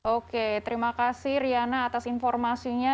oke terima kasih riana atas informasinya